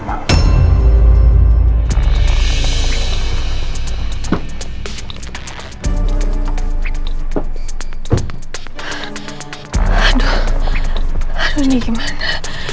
aduh aduh ini gimana